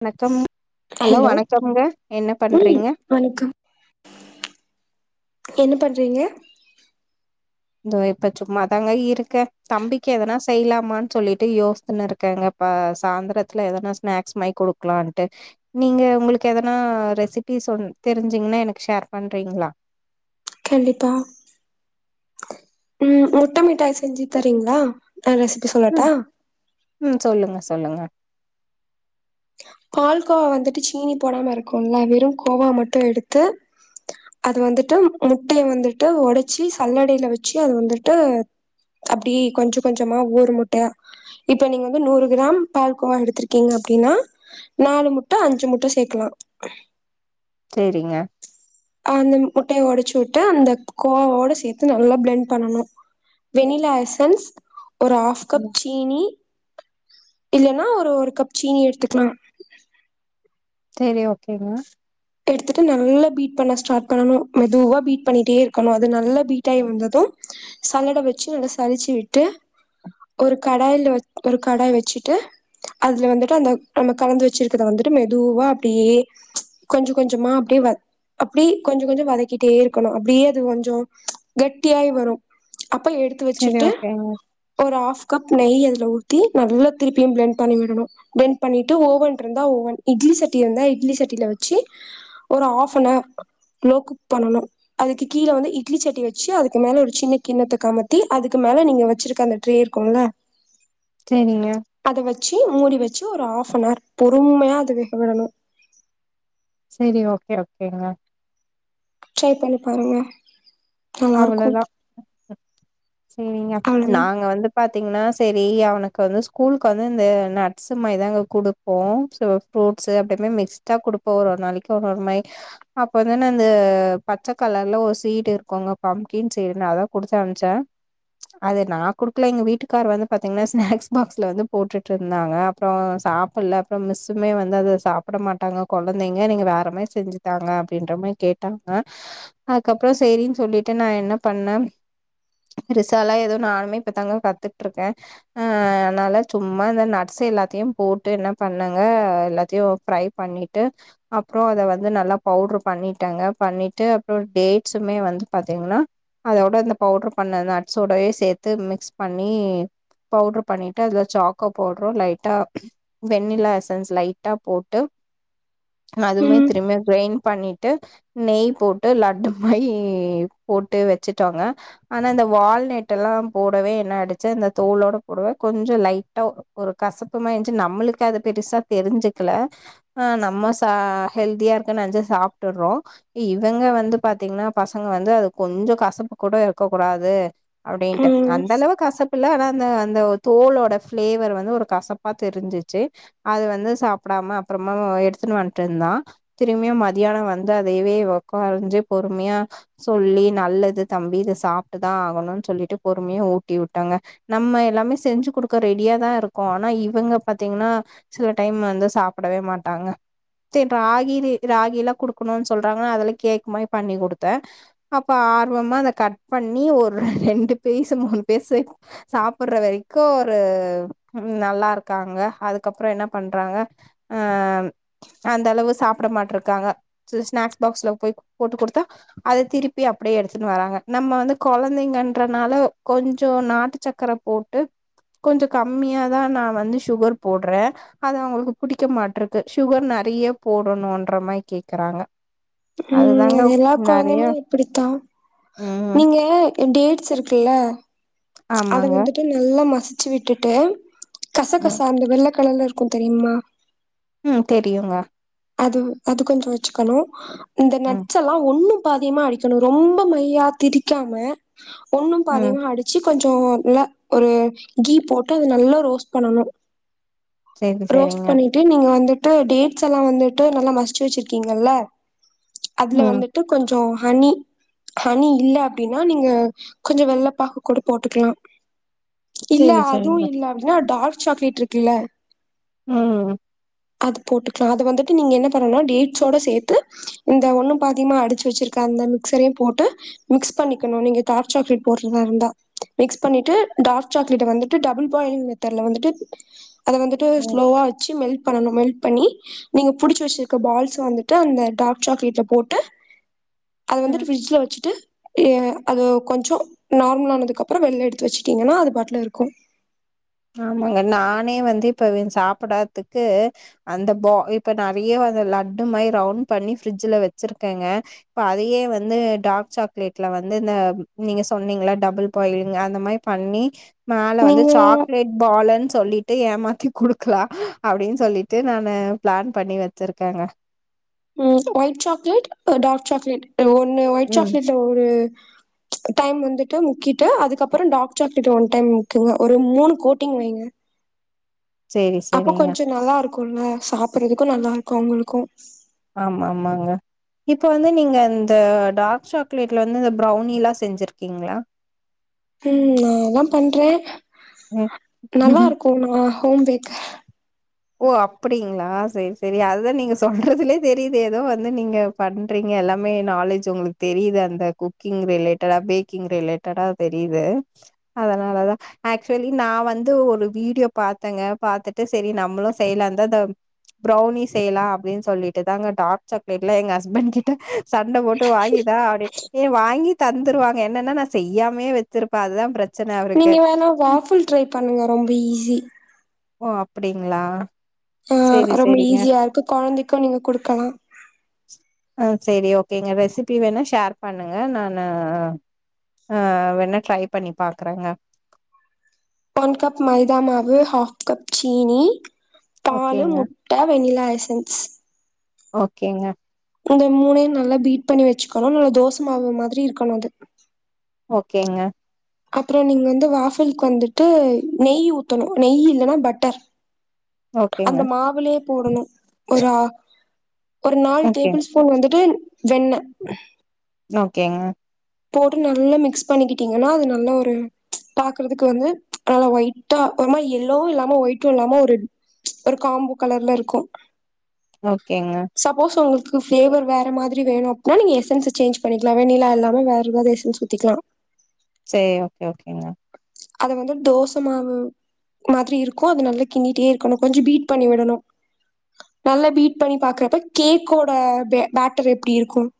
வணக்கம் ஹலோ வணக்கம்ங்க என்ன ம் பண்றீங்க வணக்கம் என்ன பண்றீங்க இதோ இப்ப சும்மாாதாங்க இருக்கேன் தம்பிக்கு எதனா செய்யலாமான்னு சொல்லிட்டு யோசித்துன்னு இருக்கேங்கப்ப சாயந்திரத்துல எதனா ஸ்நாக்ஸ் மாரி குடுக்கலான்ட்டு நீங்க உங்களுக்கு எதனா ரெசிபி சொ தெரிஞ்சீங்கன்னா எனக்கு ஷேர் பண்றீங்களா கண்டிப்பா உம் முட்ட மிட்டாய் செஞ்சு தரீங்களா நா ரெசிபி சொல்லட்டா ம் ம் சொல்லுங்க சொல்லுங்க பால் கோவா வந்துட்டு சீனி போடாம இருக்கும்ல வெறும் கோவா மட்டும் எடுத்து அது வந்துட்டு முட்டையை வந்துட்டு ஒடச்சி சல்லடையில வச்சு அது வந்துட்டு அப்படி கொஞ்சம் கொஞ்சமா ஒவ்வொரு முட்டையா இப்ப நீங்க வந்து நூறு கிராம் பால் கோவா எடுத்திருக்கீங்க அப்படின்னா நாலு முட்ட அஞ்சு முட்ட சேர்க்கலாம் அஹ் சேரிங்க அந்த முட்டைய ஓடச்சு டு அந்த கோவாட சேர்த்து நல்லா பிளண்ட் பண்ணணும் வெண்ணிலாஎசன்ஸ் ஒரு ஹாஃப் கப் ம் சீனி இல்லன்னா ஒரு ஒரு கப் சீனி எடுத்துக்க ஆஹ் செரி ஓகேங்க எடுத்துட்டு நல்லா பீட் பண்ண ஸ்டார்ட் பண்ணணும் மெதுவா பீட் பண்ணிட்டே இருக்கணும் அது நல்ல பீட் ஆயி வந்ததும் சல்லடை வச்சு நல்லா சளிச்சு விட்டு ஒரு கடாயல ஒரு கடாய் வச்சுட்டு அதுல வந்துட்டு அந்த நம்ம கலந்து வச்சிருக்கத வந்துட்டு மெதுவா அப்படியே கொஞ்சம் கொஞ்சமா அப்படியே வ அப்படி கொஞ்சம் கொஞ்சம் வதக்கிட்டே இருக்கணும் அப்படியே அது கொஞ்சம் கெட்டியாய் வரும் அப்ப எடுத்து சேரி வச்சுட்டு ஓகேங்க ஒரு ஹாப் கப் நெய் ஊத்தி நல்லா திருப்பியும் பிளண்ட் பண்ணி விடணும் பிளண்ட பண்ணிட்டு ஓவன் இருந்தாஓவன் இட்லி சட்டி இருந்தா இட்லி சட்டி ட்டில வச்சு ஒரு ஆப் அன் அவர் குக் பண்ணணும் அதுக்கு கீழ வந்து இட்லி சட்டி வச்சு அதுக்கு மேல ஒரு சின்ன கிண்ணத்த கமத்தி அதுக்கு மேல நீங்க வச்சிருக்க அந்த ட்ரே இருக்கும்ல செரிங்க ச்ச மூடி வச்சு ஒரு ஹாஃப் னவர் பொறுமையா அது வேகவிடணும் சரி ஓகே ஓகேங்க ட்ரை பண்ணி பாருங்க நல்லா இருக்கு அவ்வளவுதான் சரிங்க அவ்ளோதா நாங்க வந்து பாத் பா்த்தீங்கன்னா சரி அவனுக்கு வந்து ஸ்கூலுக்கு வந்து இந்த நட்ஸ் மாரி தான்ங்க குடுப்போம் ஃப்ரூட்ஸ் அப்படியே மிக்ஸ்டா குடுப்போம் ஒரு ஒரு நாளைக்கு ஒரு ஒரு மாரி அப்ப தான் பச்ச கலர்ல ஒரு சீட் இருக்குங்க பம்கின்னு சரி நான் அதான் குடுத்தனுப்சேன் அது நான் குடுக்கல எங்க வீட்டுக்கார வந்து பாத்தீங்கன்னா ஸ்நாக்ஸ் பாக்ஸ்ல வந்து போட்டுட்டுருந்தாங்க அப்புறம் சாப்பிடல அப்புறம் மிஸ்ஸுமே வந்து அத சாப்பிட மாட்டாங்க கொழந்தைங்க நீங்க வேறமே செஞ்சுதாங்க அப்படின்ற மாரி கேட்டாங்க அதுக்கப்புறம் சேரின்னு சொல்லிட்டு விட்டு நான் என்ன பண்ணேன் டிஸ்லா ஏதோ நானுமே இப்ப தாங்க கத்துட்டுருக்கேன் அதனால சும்மா இந்த நட்ஸ் எல்லாத்தையும் போட்டு என்ன பண்ணேங்க எல்லாத்தையும் ஃப்ரை பண்ணிட்டு அப்புறம் அத வந்து நல்லா பவுட்ரு பண்ணிட்டேங்க பண்ணிட்டு அப்புறம் டேட்ஸ்மே வந்து பாத்தீங்கன்னா அதோட இந்த பவுடரு பண்ண நட்ஸோடய சேர்த்து மிக்ஸ் பண்ணி பவுடர் பண்ணிட்டு அதல சாக்கோ பவுட்ரும் லைட்டா வெண்ணிலா எசன்ஸ் லைட்டா போட்டு அதுமே ம் திரும்ப கிரைண்ட் பண்ணி ட்டு நெய் போட்டு லட்டு மாரி போட்டு வச்சுட்டோங்க ஆனா இந்த வால்நெட் எல்லாம் போடவே என்ன ஆடுச்சு அந்த தோளோட போடவே கொஞ்சம் லைட்டா ஒரு கசப்புமா இருஞ்சி நம்மளுக்கு அது பெருசா தெரிஞ்சுக்கல ஆஹ் நம்ம ச ஹெல்தியா இருக்கன்னு சாப்ட்டுறோம் இவங்க வந்து பாத்தீங்கன்னா பசங்க வந்து கொஞ்சம் கசப்பு கூட இருக்க கூடாது அப்டின்ட்டு ம் அந்த அளவு கசப்புல்ல ஆனா அந்த அந்த தோலோட பிளேவர் வந்து ஒரு கசப்பா தெரிஞ்சிச்சு அது வந்து சாப்டாம அப்புறமா எடுத்துன்னு வந்ட்டு இருந்தான் திரும்பியா மதியானம் வந்து அதையவே உக்காஞ்சு பொறுமையா சொல்லி நல்லது தம்பி இத சாப்ட்டுதான் ஆகணும்ன்னு சொல்லிட்டு பொறுமையை ஊட்டி விட்டாங்க நம்ம எல்லாமே செஞ்சு கொடுக்க ரெடியாதான் இருக்கோம் ஆனா இவங்க பாத்தீங்கன்னா சில டைம் வந்து சாப்பிடவே மாட்டாங்க ராகி ராகி எல்லாம் குடுக்கணும்னு சொல்றாங்க அதுல கேக்கு மாரி பண்ணி கொடுத்தேன் அப்ப ஆர்வமா அத கட் பண்ணி ஒரு ரெண்டு பேஸ் மூணு பேஸ் சாப்பிடுற வரைக்கும் ஒரு நல்லா இருக்காங்க அதுக்கப்புறம் என்ன பண்றாங்க ஆஹ் அந்த அளவு சாப்பிட மாட்ருக்காங்க ஸ்நாக்ஸ் பாக்ஸ்ல போய் போட்டு கொடுத்தா அத திருப் அப்படியே எடுத்துன்னு வராங்க நம்ப வந்து குழந்தைங்கன்றனால கொஞ்ச நாட்டு சக்கரை போட்டு கொஞ்ச கம்மியாதான் நான் வந்து சுகர் போடுறேன் அது அவங்களுக்கு பிடிக்க மாட்டிருக்கு சுகர் நிறைய போடணும்ன்ற மாரி கேக்குறாங்க உம் அதுதாங்க அது எல்லா நெறைய குழந்தையுமே அப்டித்தான் ம் நீங்க என் டேட்ஸ் இருக்குல்ல அத ஆமாங்க வந்துட்டு நல்லா மசிச் ச்சு விட்டுட்டு கச ம் கச அந்தவெல்ல கலர்ல இருக்கும் தெரியுமா உம் தெரியுங்க அது அது கொஞ்சம் வச்சுக்கணும் இந்த ம் நட்சல்லாம் ஒண்ணும் அதிகமா அடிக்கணும் ரொம்ப மையா திரிக்காம ஒண்ணும் ம் பாதியுமா அடிச்சு கொஞ்சம் நல்ல ஒரு கீ போட்டு அது நல்லா ரோஸ்ட் பண்ணணும் சரி ரோஸ்ட் சரிங்க. பண்ணிட்டு நீங்க வந்து டேட்ஸ் எல்லாம் வந்து நல்லா மசுச்சி வச்சிருக்கீங்கல்ல அதுல ம் வந்துட்டு கொஞ்சம் ஹனி ஹனி இல்ல அப்படின்னா நீங்க கொஞ்ச வெள்ளப்பாகு கூட போட்டுக்கலாம் இல்ல சரி சரிங்க. அதுவும் இல்ல அப்படின்னா டார்க் சாக்லேட் இருக்குல்ல உம் அது போட்டுக்கலாம் அது வந்து நீங்க என்ன பண்ண டேட்ஸோட சேர்த்து இந்த ஒண்ணும் பாத்தியமா அடிச்சு வச்சிருக்க அந்த மிக்சரையும் போட்டு மிக்ஸ் பண்ணிக்கணும் நீங்க டார்க் சாக்லேட் போடுறதா இருந்தா மிக்ஸ் பண்ணிட்டு டார்க் சாக்லேட்ட வந்துட்டு டபுள் பாயிங் மெத்தர்ல வந்துட்டு அத வந்துட்டு ம் ஸ்லோவா வச்சு மெல்ட் பண்ணணும் மெல்ட் பண்ணி நீங்க புடிச்ச வச்சிருக்க பால்ஸ் வந்துட்டு அந்த டார்க் சாக்லேட்ல போட்டு அது ம் வந்துட்டு ஃபிரிட்ஜில வச்சிட்டு அது கொஞ்ச நார்மல் ஆனதுக்கு அப்பறம் வெளில எடுத்து வச்சட்டீங்கன்னா அது பாட்டுல இருக்கும் ஆமாங்க நானே வந்து இப்ப சாப்பிடாதுக்கு அந்த இப்ப நிறைய அ லட்டு மாதிரி ரவுண்ட் பண்ணி ஃபிரிட்ஜ்ல வச்சிருக்கேங்க இப்ப அதயே வந்து டார்க் சாக்லேட்ல வந்து இந்த நீங்க சொன்னீங்கள டபுள் பாயிளிங் அந்த மாரி பண்ணி மேல வந்து நீங்க சாக் பாலுன் சொல்லிட்டு ஏமாத்தி குடுக்கலாம் அப்படின்னு சொல்லிட்டு நான பிளான் பண்ணி வச்சிருக்கேங்க உம் வைட் சாக்லேட் டார்க் சாக்லேட் ஒன்னு ஒயிட் ம் சாக்லேட்ல ஒரு டைம் வந்துட்டு முக்கிட்டு அதுக்கப்பறம் டார்க் சாக்லெட் ஒன் டைம் முக்குங்க ஒரு மூணு கோட்டிங் வைங்க சரி அப்ப சரிங்க. கொஞ்சோ நல்லா இருக்கும்ல சாப்டுறதுக்கும் நல்லா இருக்கும் அவங்களுக்கும் ஆமா ஆமாங்க இப்ப வந்து நீங்க இந்த டார்க் சாக்லேட்ல வந்து இந்த ப்ரௌனி எல்லா செஞ்சிருக்கீங்களா உஹம் நா எல்லா பண்றேன் ம் நல்லா இருக்கும்னா ஹோம் பேக்கர் ஹ ஓ அப்டிங்களா சரி சரி அதுதான் நீங்க சொல்றதுலே தெரியுது ஏதோ வந்து நீங்க பண்றீங்க எல்லாமே நாலேஜ் உங்களுக்கு தெரியுது அந்த குக்கிங் ரிலேட்டடா பேக்கிங் ரிலேட்டடா தெரியுது அதனாலதான் ஆக்சுவலி நான் வந்து ஒரு வீடியோ பாத்தங்க பாத்துட்டு சரி நம் மளும் செய்யலாம்ந்த பிரவுனி செய்யலாம் அப்படின்னு சொல்லிட்டுதான் டார்க் சாக்லேட் எல்லா என ஹஸ்பேண்ட் சண்டை போட்டு வாங்கித்தா வாங்கி தந்துருவாங்க என்னன்னா நான் செய்யாமே வச்சிருப்பேன் அதுதான் பிரச் நீங்க வேணா வாஃபுல் டரைப் பண்ணுங்க ரொம்ப ஈஸி ஓ அப்பிடிங்களா ஆஹ் ரொம்ப ஈஸியா இருக்கு கொழந்தைக்கும் நீங்க குடுக்கலாம் ஆ சரி ஓகேங்க ரெசிபி வேணா ஷேர் பண்ணுங்க நானு ஆ வேணா ட்ரை பண்ணி பாக்குறேங்க ஒன் கப் மைதா மாவு ஆஃப் கப் சீனி பாலு ஓகேங்க முட்ட வெண்ணிலா சேன்ஸ் ஓகேங்க இந்த மூணையும் நல்லா பீட் பண்ணி வச்சுக்கணும் நல்லா தோசமாவு மாதிரி இருக்கணும் அது ஓகேங்க அப்புறம் நீங்க வந்து வாஃபில்க்கு வந்துட்டு நெய் ஊத்தணும் நெய் இல்லன்னா பட்டர் ஓகேங்க அந்த மாவுலையே போடணும் ஒரு ஆ ஒரு நாலு ஓகே டேபிள் ஸ்பூன் வந்துட்டு வெண்ண ம்ம் ஓகேங்க போட்டு நல்லா மிக்ஸ் பண்ணிக்கிட்டீங்கன்னா அது நல்லா ஒரு பாக்குறதுக்கு வந்து நல்லா ஒயிட்டா ஒரு மாரி எல்லோவும் இல்லாம ஒயிட்டும் இல்லாம ஒரு காம்போ கலர்ல இருக்கும் ஓகேங்க பிளேவர் வேற மாதிரி வேணு அப்டினா நீங்க எசன்ஸ் சேஞ்ச் பண்ணிக்கலாம் வெண்ணிலா இல்லாம வேற இன்னொரு எசன்ஸ் ஊத்திக்கலாம் சரி ஓகே ஓகேங்க அத வந்து தோசை மாவு மாதிரி இருக்கும் அத நல்லா கிண்ணிட்டே இருக்கணும் கொஞ்சம் பீட் பண்ணி விடணும் நல்லா பீட் பண்ணி பாக்குறப்ப கேக்கோட பே பேட்டர் எப்டி இருக்கும்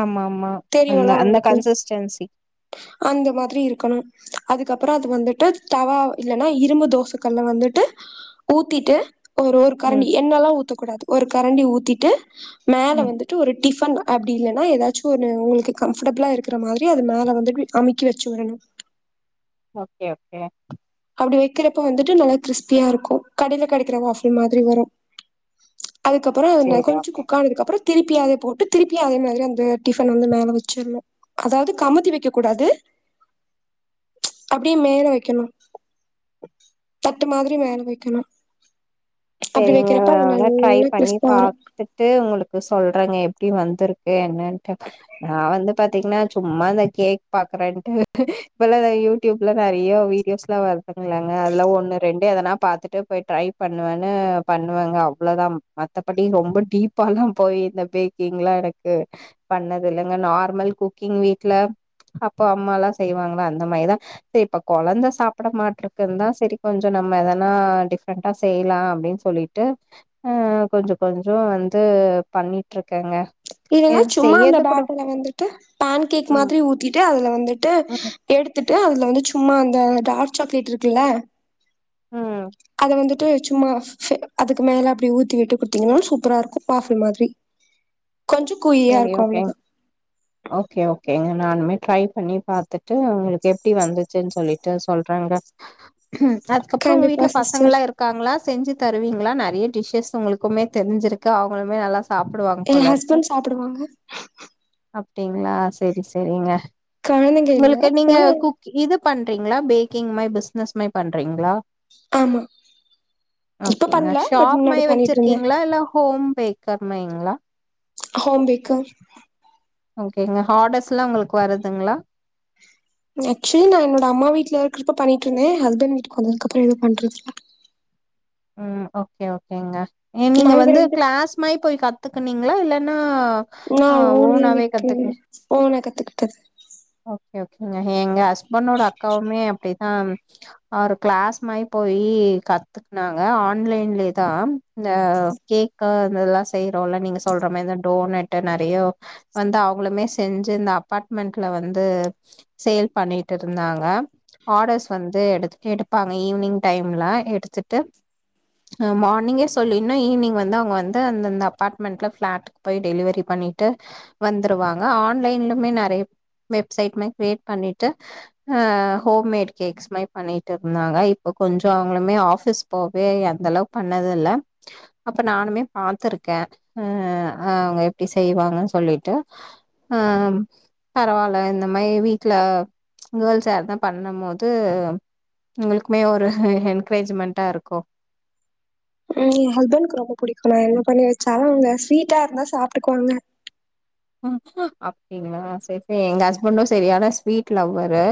ஆமா ஆமா அந்த அந்த கன்சிஸ்டென்சி அந்த மாதிரி இருக்கணும் அதுக்கப்புறம் அது வந்துட்டு தவா இல்லன்னா இரும்பு தோசைகள்ல வந்துட்டு ஊத்திட்டு ஒரு ஒரு காரணி ம் எண்ணெல்லா ஊத்த கூடாது ஒரு கரண்டி ஊத்திட்டு மேல ம். வந்துட்டு ஒரு டிபன் அப்டி இல்லன்னா ஏதாச்சும் ஒரு உங்களுக்கு கம்பர்டபிளா இருக்கிற மாரி அது மேலே வந்து அமிக்கி வச்சு விடணும் ஓகே ஓகே அப்டி வைக்கிறப்ப வந்துட்டு நல்லா கிறிஸ்பியா இருக்கும் கடைல கிடைக்கிற வாபுல் மாதிரி வரும் அதுக்கப்புறம் சேரி கொஞ்சம் ஓகே. குக் ஆனதுக்கு அப்றம் திருப்பி அதே போட்டு திருப்பி அதே மாதிரி அந்த டிஃபன் வந்து மேல வச்சற்னு அதாவ்து கமுத்தி வைக்க கூடாது அப்டியே மேல வைக்கணும் தட்டு மாதிரி மேல வைக்கணும் சேரிங்க நா வேனா ட்ரை பண்ணி கிறிஸ்பா வரு பாத்துட்டு உங்களுக்கு சொல்றேங்க எப்படி வந்துருக் கு என்ன நா வந்து பாத் தீங்னா சும்மா இந்த கேக் பாக்குறேன்ட்டு இப்பல்லா யூடியூப்ல நெறைய வீடியோஸ்லா வருதுங்லங்க அதெல்லா ஒன்னு ரெண்டு எதனா பாத்துட்டு போய் ட்ரை பண்ணுவே னு பண்ணுவேங்க அவ்ளொதாம் மத்தபடி ரொம்ப டீப்பால்லா போய் இந்த பேக்கிங்ல எனக்கு பண்ணதில்லங்க நார்மல் குக்கிங் வீட்ல அப்பா அம்மால்லா செய்வாங்கல அந்த மாரிதா செ இப்ப கொழந்த சாப்புட மாட்றகுன்தா செரி கொஞ்ச நம்ம எதுனா டிஃப்ரெண்டா செய்யலா அப்டின் சொல்லிட்டு அ கொஞ்சொ கொஞ்சொ வந்து பண்ணிட்ருக்கேங்க இல்லனா எனக்கு சும்மா அந்த செய்யறது கூட பாட்டில வந்துட்டு பான் கேக் ம் மாதிரி ஊத்திட்டு அதுல வந்துட்டு ம் எடுத்துட்டு அதுல வந்து சு ம்மா அந்த டார்க் சாக்லேட் இருக்குல்ல ம் அது வந்துட் டு சும்மா அதுக்கு மேல அப்புடி ஊத்தி விட்டு குடுத்தீங்கனால் சூப்பரா இருக்கு வாஃபுல் மாதிரி கொஞ்ச கூயியா சரி இருக்கு அவ்ளதா கேங்க நானுமே ட்ரை பண்ணி பாத்துட்டு உங்களுக்கு எப்பிடி வந்துச்சுன் சொல்லிட்டு சொல்றேங்க ம் அதுக்கப்றொ‌ உங்க கண்டிப்பா வீட்ல சிஸ்டர் பசங்கலா இருக்காங்களா செஞ்சு தருவீங்ளா நெறைய டிஷஸ் உங்களுக்குமே தெரிஞ்சிருக்கு அவுங்களுமே நல்லா சாப்புடுவாங்க போலருக்கு சாப்புடுவாங்க அப்டிங்ளா சேரி சேரிங்க கொழந்தைங்க இல்ல உங்களுக்கு நீங்க ஆனா குக் இது பண்றீங்ளா பேக்கிங் மை பிஸ்னஸ் மை பண்றீங்ளா ஆமா இப்ப ஓகேங்க பண்ல பட் ஷாப் மை முன்னாடி பண்ணிட்ருந்தே வச்சிருக்கீங்ளா இல்ல ஹோம் பேகர்மைங்ளா ஹோம் பேக்கர் ஓகேங்க ஆடர்ஸ்லா உங்களுக்கு வருதுங்ளா அக்ச்சுலி‌ நா என்னோட அம்மா வீட்ல இருக்கிறப்ப பண்ணிட்ருந்தே ஹஸ் பண்ட் வீட்டுக்கு ம், வந்ததுக்கப்றோ என்ன பண்றது [inaudible] ம் ஓகே ஓகேங்க நீங்க நாங்க வந்து ரெண்டு க்ளாஸ் மை போய் கத் துக்குனீங்களா இல்லென்னா [unintelligible] ஓனா கத்துக்கிட்டது ஓகே ஓகேங்க ஏங்க ஹஸ் பண்ணோட அக்காவுமே அப்டிதான் ஒரு க்ளாஸ் மாரி போயி கத்து நாங்க ஆன்லைன்லேதான் இந்த கேக்கு இந்த இதல்லா செய்யிறோல்ல நீங்க சொல்ற மாரி இந்த டோனட்டு நெறைய வந்து அவங்களுமே செஞ்சு இந்த அப்பார்ட்மெண்ட்ல வந்து சேல் பண்ணிட்டு இருந்தாங்க ஆர்டர்ஸ் வந்து எடுத் எடுப்பாங்க ஈவினிங் டைம்ல எடுத்து ட்டு அ மார்னிங்கே சொல்லிங்னா ஈவினிங் வந்து அவுங்க வந்து அந்தந்த அப்பார்ட்மன்ட்ல ப்ளாட்டுக்கு போய் டெலிவரி பண்ணிட்டு வந்துருவாங்க ஆன்லைன்லுமே நெறைய வெப்சைட்மே கிரியேட் பண்ணிட்டு ஆ ஹோம் மேட் கேக்ஸ்மே பண்ணிட்ருந்தாங்க இப்ப கொஞ்ச அவங்களுமே ஆஃபீஸ் போவே அந்த அளவுக்கு பண்ணத இல்ல அப்போ நானுமே பாத்துருக்கே ஆ அ அவங்க எப்டி செய்வாங்கன்னு சொல்லிட்டு அம் பரவால்ல இந்த மாரி வீட்ல கேர்ள்ஸ் யார்னா பண்ணும்போது உங்களுக்குமே ஒரு என்கரேஜ்மென்ட்டா இருக் க்கோ உம் என் ஹஸ்பண்ட்க்கு ரொம்ப பிடிக்கு நா என்ன பண்ணி வச்சாலு அவங்க ஸ்வீட்டா இருந்தா சாப்ட்டுக்குவாங்க அப்டிங்களா சரி சரி எங்க ஹஸ்பண்டும் சரியான ஸ்வீட் லவ்வரு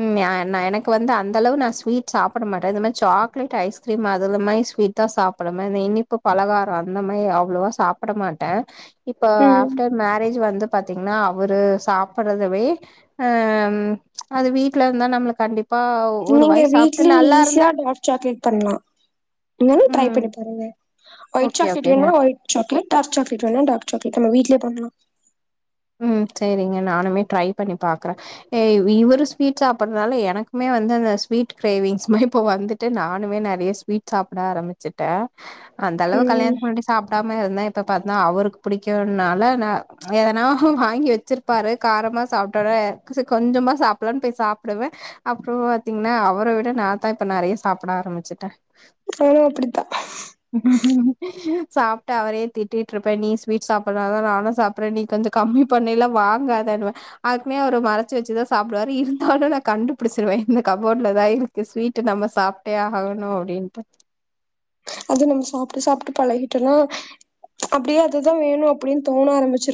உம் நா நா எனக்கு வந்து அந்த அளவு நா ஸ்வீட் சாப்பட மாட்டே இந்த மாரி சாக்லேட் ஐஸ்கிரீம் அதுல மாரி ஸ்வீட்தா சாப்பிடுவே இந்த இனிப்பு பலகாரோ அந்த மாரி அவ்ளவா சாப்பட மாட்டே இப்ப ம் ஆஃப்டர் மேரேஜ் வந்து பாத்தீங்கன்னா அவரு சாப்படுறதவே அம் அது வீட்ல இருந்தா நம்ம கண்டிப் நீங்க வீட்ல ஈசியா டார்க் சாக்லேட் பண்லா நீங்களு ட்ரை ம் பண்ணி பாருங்க ஒயிட் ஓகே சாக்லேட் ஓகேங்க வேணுன்னா ஒயிட் சாக்லேட் டார்க் சாக்லேட் வேண்ணா டார்க் சாக்லேட் நம்ம வீட்லயே பண்லா உம் சரிங்க நானுமே ட்ரை பண்ணி பாக்குறே அ இவரு ஸ்வீட் சாப்படுறதுனால எனக்குமே வந்து அந்த ஸ்வீட் கிரேவிங்ஸ்மே இப்போ வந்துட்டு நானுமே நநெறைய ஸ்வீட் சாப்ட ஆரம்பிச்சுட்டே அந்த அளவு ம் கல்யாணத்துக்கு முன்னாடி சாப்டாம இருந்தே இப்ப பாத்தனா அவருக்கு பிடிக்கும்னால நா எதனா வாங்கி வச்சிருப்பாரு காரமா சாப்டவுடனே சரி கொஞ்சமா சாப்டலான்னு போய் சாப்டுவே அப்றோ பாத்தீங்கன்னா அவர விட நாந்தா இப்ப நெறைய சாப்ட ஆரம்பிச்சுட்டே நானு அப்டித்தா சாப்ட்டு அவரயு திட்டிட்டு இருப்பே நீ ஸ்வீட் சாப்டறனாலதா நானு சாப்டறே நீ கொஞ்ச கம்மி பண்ணு இல்ல வாங்காதன்னுவே அதுக்குமே அவர் மறைச்சு வச்சுதா சாப்டுவாரு இருந்தாலு நா கண்டுபிடிச்சிருவே இந்த கப்போர்ட்லதா இருக்கு ஸ்வீட்டு நம்ம சாப்ட்டே ஆகணு அப்டின்ட்டு அது நம்ம சாப்ட்டு சாப்ட்டு பழகிட்டோன்னா அப்டியே அதுதா வேணு அப்டின்னு தோண ஆரம்பிச்சிரு